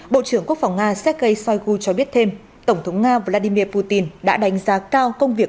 bộ trưởng quốc phòng nga sergei shoigu cho biết thêm tổng thống nga vladimir putin đã đánh giá cao công việc